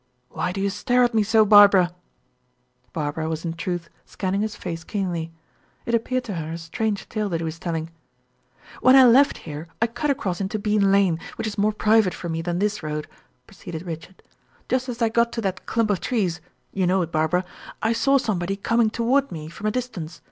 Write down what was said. Why to you stare at me so, Barbara?" Barbara was in truth scanning his face keenly. It appeared to her a strange tale that he was telling. "When I left here, I cut across into Bean lane, which is more private for me than this road," proceeded Richard. "Just as I got to that clump of trees you know it, Barbara I saw somebody coming toward me from a distance.